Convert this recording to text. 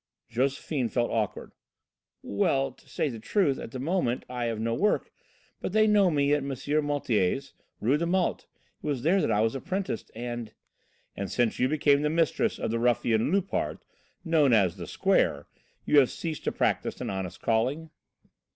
Josephine felt awkward. "Well, to say the truth, at the moment I have no work, but they know me at M. Monthier's, Rue de Malte; it was there I was apprenticed, and " "And since you became the mistress of the ruffian Loupart, known as 'The Square,' you have ceased to practise an honest calling?"